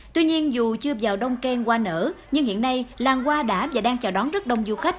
tuy nhiên dù chưa vào đông keng qua nở nhưng hiện nay làng hoa đã và đang chào đón rất đông du khách